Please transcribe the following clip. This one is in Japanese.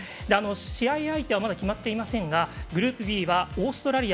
試合相手はまだ決まっていませんがグループＢはオーストラリア